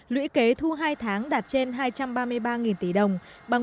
lũy kế thu hai tháng đạt trên hai trăm ba mươi ba nghìn tỷ đồng bằng một mươi tám bốn